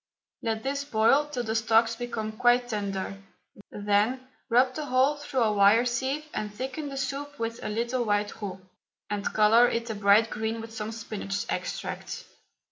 Let this boil till the stalks become quite tender, then rub the whole through a wire sieve and thicken the soup with a little white roux, and colour it a bright green with some spinach extract.